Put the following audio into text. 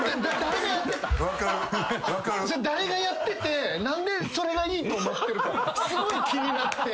誰がやってて何でそれがいいと思ってるかすごい気になって。